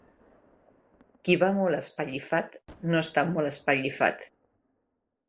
Qui va molt espellifat, no està molt espellifat.